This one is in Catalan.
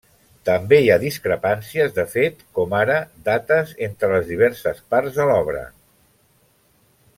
També hi ha discrepàncies de fet, com ara dates entre les diverses parts de l'obra.